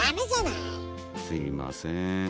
すいませーん。